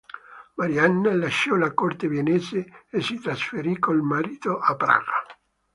Maria Anna lasciò la corte viennese e si trasferì col marito a Praga.